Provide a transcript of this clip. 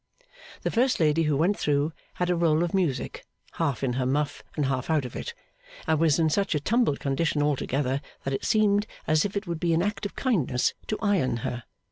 The first lady who went through had a roll of music, half in her muff and half out of it, and was in such a tumbled condition altogether, that it seemed as if it would be an act of kindness to iron her.